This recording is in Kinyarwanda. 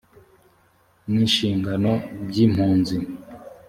n inshingano by impunzi